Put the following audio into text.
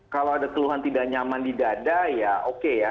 kalau ada keluhan tidak nyaman di dada ya oke ya